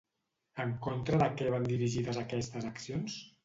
En contra de què van dirigides aquestes accions?